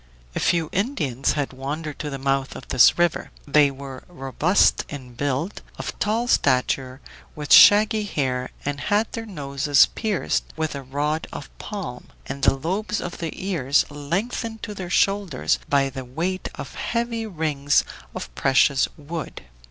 A few Indians had wandered to the mouth of this river. They were robust in build, of tall stature, with shaggy hair, and had their noses pierced with a rod of palm, and the lobes of their ears lengthened to their shoulders by the weight of heavy rings of precious wood.